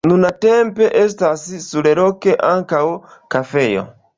Nuntempe estas surloke ankaŭ kafejo.